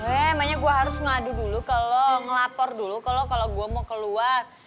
emangnya gua harus ngadu dulu ke lo ngelapor dulu ke lo kalo gua mau keluar